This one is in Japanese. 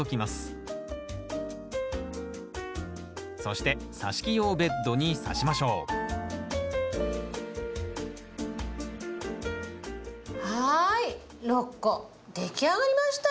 そしてさし木用ベッドにさしましょうはい６個出来上がりました！